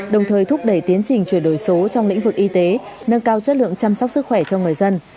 đồng thời thúc đẩy tiến trình chuyển đổi số trong lĩnh vực y tế nâng cao chất lượng chăm sóc sức khỏe cho người dân